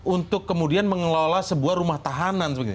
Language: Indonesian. untuk kemudian mengelola sebuah rumah tahanan